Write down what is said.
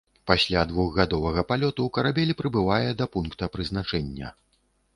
Пасля двухгадовага палёту карабель прыбывае да пункта прызначэння.